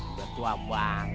udah tua bang